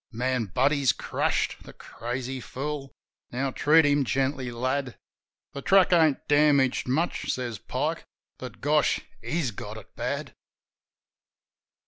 Man, but he's crushed! The crazy fool! Now treat him gently, lad." "The track ain't damaged much," says Pike; "but, gosh, he's got it bad